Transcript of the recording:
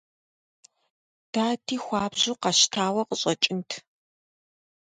Дади хуабжьу къэщтауэ къыщӀэкӀынт.